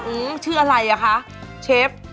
อื้อชื่ออะไรคะเชฟ